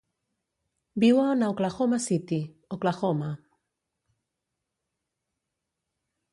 Viuen a Oklahoma City, Oklahoma.